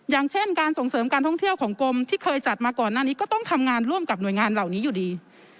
อย่างเช่นการส่งเสริมการท่องเที่ยวของกรมที่เคยจัดมาก่อนหน้านี้ก็ต้องทำงานร่วมกับหน่วยงานเหล่านี้อยู่ดี